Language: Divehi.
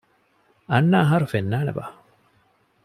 އަންނަ އަހަރު ފެންނާނެބާ؟